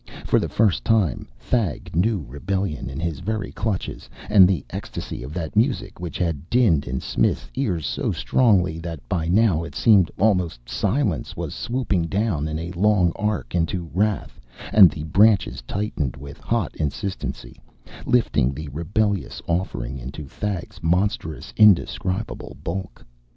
For the first time Thag knew rebellion in his very clutches, and the ecstasy of that music which had dinned in Smith's ears so strongly that by now it seemed almost silence was swooping down a long arc into wrath, and the branches tightened with hot insistency, lifting the rebellious offering into Thag's monstrous, indescribable bulk.